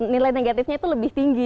nilai negatifnya itu lebih tinggi